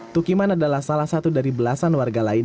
tukiman adalah salah satu dari belasan warga lain